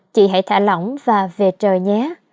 chị hãy thả lỏng và về trời nhé